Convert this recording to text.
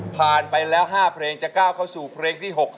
ผ่านไปแล้ว๕เพลงจะก้าวเข้าสู่เพลงที่๖